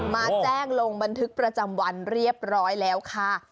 มาแจ้งลงบันทึกประจำวันเรียบร้อยแล้วค่ะ